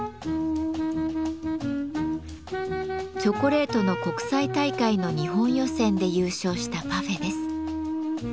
チョコレートの国際大会の日本予選で優勝したパフェです。